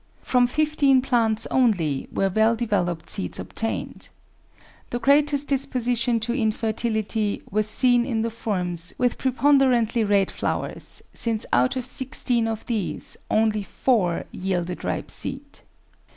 From fifteen plants only were well developed seeds obtained. The greatest disposition to infertility was seen in the forms with preponderantly red flowers, since out of sixteen of these only four yielded ripe seed.